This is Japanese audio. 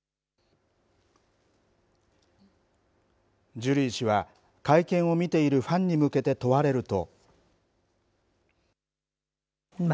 ジュリー氏は会見を見ているファンに向けて問われると。